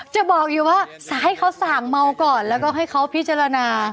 จะบอกอยู่ว่าให้เขาสั่งเมาก่อนแล้วก็ให้เขาพิจารณา